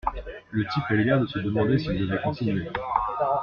Le type a eu l’air de se demander s’il devait continuer.